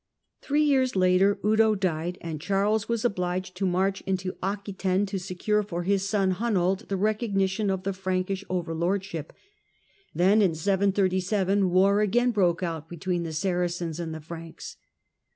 Three years later Eudo died, and Charles was obliged to march into Aquetaine to secure from his son Hunold the recognition of the Frank overlordship. Then in£ 737 war again broke out between the Saracens and the Franks.